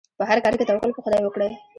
په هر کار کې توکل په خدای وکړئ.